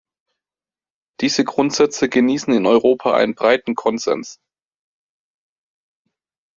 Diese Grundsätze genießen in Europa einen breiten Konsens.